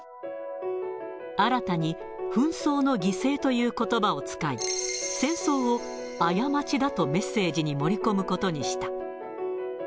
新たに紛争の犠牲ということばを使い、戦争を過ちだとメッセージに盛り込むことにした。